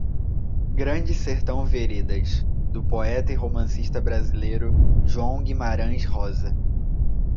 Grande Sertão: Veredas, do poeta e romancista brasileiro João Guimarães Rosa